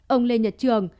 ông lê nhật trường